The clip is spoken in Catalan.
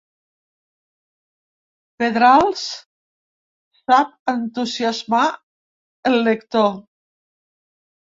Pedrals sap entusiasmar el lector.